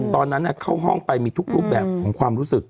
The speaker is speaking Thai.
ตอนนั้นเข้าห้องไปมีทุกรูปแบบของความรู้สึก